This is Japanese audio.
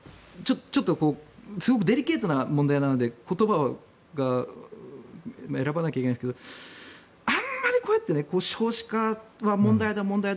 すごくデリケートな問題なので言葉を選ばなきゃいけないんですがあまりこうやって少子化は問題だ、問題だ